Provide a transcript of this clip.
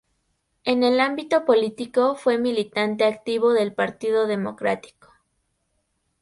En el ámbito político fue militante activo del Partido Democrático.